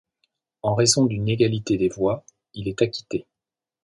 En raison d’une égalité des voix, il est acquitté.